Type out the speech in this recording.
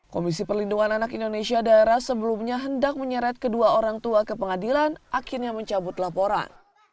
komisi perlindungan anak indonesia daerah sebelumnya hendak menyeret kedua orang tua ke pengadilan akhirnya mencabut laporan